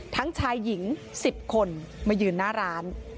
ชายหญิง๑๐คนมายืนหน้าร้าน